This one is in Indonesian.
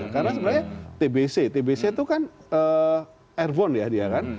karena sebenarnya tbc tbc itu kan air bond ya dia kan